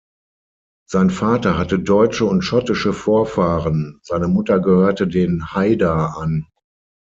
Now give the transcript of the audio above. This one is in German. Sein Vater hatte deutsche und schottische Vorfahren, seine Mutter gehörte den Haida an.